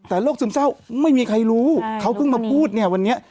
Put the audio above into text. แต่โรคซึมเศร้าไม่มีใครรู้เขาเพิ่งมาพูดเนี่ยวันนี้